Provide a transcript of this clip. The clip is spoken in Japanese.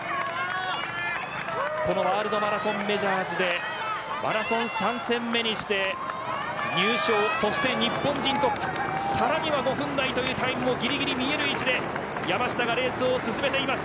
このワールドマラソンメジャーズでマラソン３戦目にして優勝、そして日本人トップさらに５分台というタイムもぎりぎり見える位置でレースを進めています。